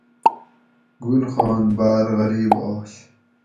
گل خان باۤر غریب آش